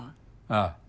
ああ。